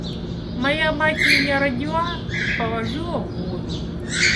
Моя мать меня родила и положила в воду.